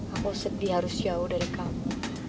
aku sedih harus jauh dari kamu